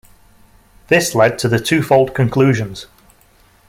This led to the twofold conclusions.